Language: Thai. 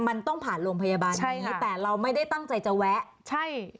มันต้องผ่านโรงพยาบาลแค่นี้แต่เราไม่ได้ตั้งใจจะแวะใช่